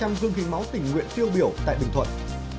tôn vinh ba trăm linh gương hình máu tình nguyện phiêu biểu tại bình thuận